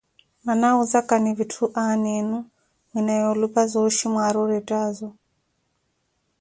Mmana awuzakani vitthu aana enu, mwinaaye olupa zooxhi mwaari orettaazo.